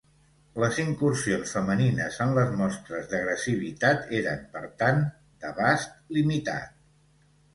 Les incursions femenines en les mostres d'agressivitat eren, per tant, d'abast limitat.